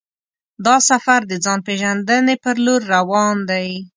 دا سفر د ځان پېژندنې پر لور روان دی.